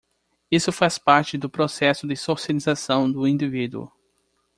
Isso faz parte do processo de socialização do indivíduo.